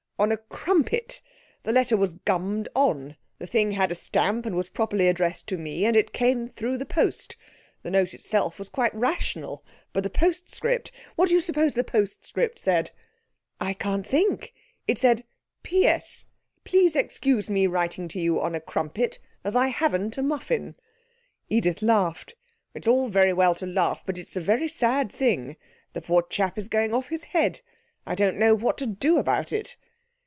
'On a crumpet. The letter was gummed on; the thing had a stamp, and was properly addressed to me, and it came through the post. The note itself was quite rational, but the postscript what do you suppose the postscript said?' 'I can't think.' 'It said, "PS Please excuse my writing to you on a crumpet, as I haven't a muffin!"' Edith laughed. 'It's all very well to laugh, but it's a very sad thing. The poor chap is going off his head. I don't know what to do about it.'